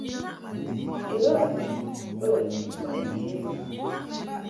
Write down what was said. Ilaʼ ndib bə ndib ma ye yum.